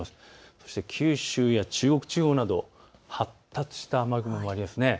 そして九州や中国地方など発達した雨雲もありますね。